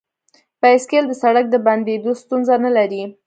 بایسکل د سړک د بندیدو ستونزه نه لري.